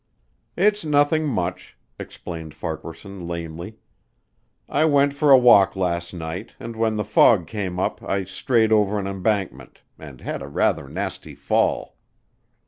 "It's nothing much," explained Farquaharson lamely. "I went for a walk last night and when the fog came up I strayed over an embankment and had a rather nasty fall."